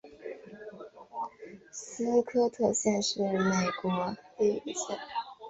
斯科特县是美国伊利诺伊州西部的一个县。